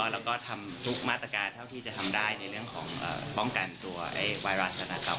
แล้วก็ทำทุกมาตรการเท่าที่จะทำได้ในเรื่องของป้องกันตัวไวรัสนะครับ